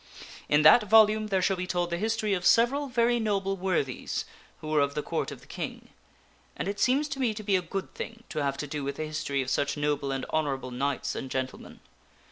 In that volume there shall be told the history of several very noble worthies who were of the Court of the King, and it seems to me to be a good thing to have to do with the history of such noble and honorable knights and gentlemen.